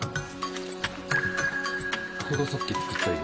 これがさっき作った色？